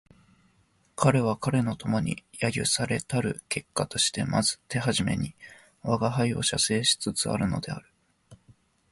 彼は彼の友に揶揄せられたる結果としてまず手初めに吾輩を写生しつつあるのである